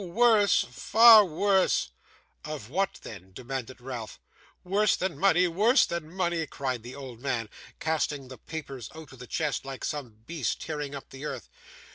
Worse! far worse!' 'Of what then?' demanded Ralph. 'Worse than money, worse than money!' cried the old man, casting the papers out of the chest, like some beast tearing up the earth.